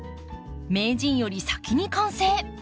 名人より先に完成。